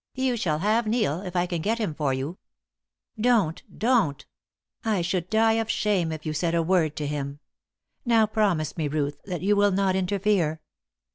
"You shall have Neil, if I can get him for you." "Don't don't! I should die of shame it you said a word to him. Now, promise me, Ruth, that you will not interfere."